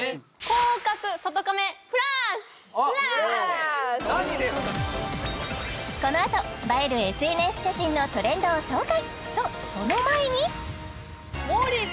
このあと映えるＳＮＳ写真のトレンドを紹介とその前にもーりー